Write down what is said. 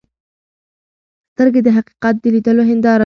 سترګې د حقیقت د لیدلو هنداره ده.